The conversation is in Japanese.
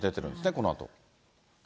このあと。